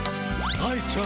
愛ちゃん。